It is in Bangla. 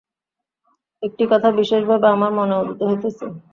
একটি কথা বিশেষভাবে আমার মনে উদিত হইতেছে।